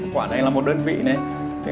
quả này là một đơn vị này